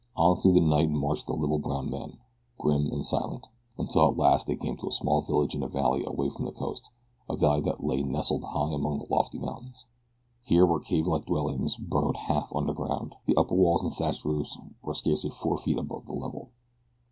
On through the night marched the little, brown men grim and silent until at last they came to a small village in a valley away from the coast a valley that lay nestled high among lofty mountains. Here were cavelike dwellings burrowed half under ground, the upper walls and thatched roofs rising scarce four feet above the level.